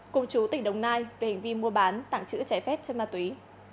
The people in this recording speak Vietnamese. cùng chú tỉnh đồng nai về hình vi mua bán tặng chữ trái phép cho ma túy